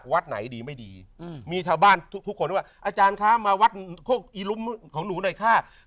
วัดไหนดีไม่ดีมีชาวบ้านทุกคนว่าอาจารย์คะมาวัดโคกอีลุมของหนูหน่อยค่ะ